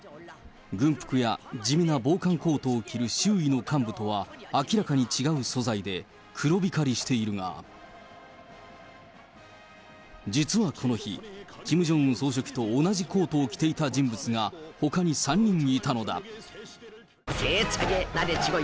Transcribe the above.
軍服や地味な防寒コートを着る周囲とは明らかに違う素材で、黒光りしているが、実はこの日、キム・ジョンウン総書記と同じコートを着ていた人物がほかに３人いたのだ。